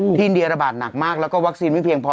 อินเดียระบาดหนักมากแล้วก็วัคซีนไม่เพียงพอ